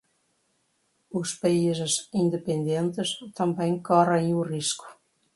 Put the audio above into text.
os países independentes também correm o risco